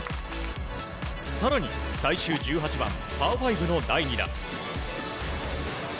更に、最終１８番パー５の第２打。